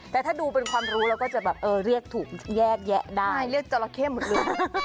แต่ถ้าดูเป็นความรู้แล้วก็จะแบบเออเรียกถูกแยกแยะได้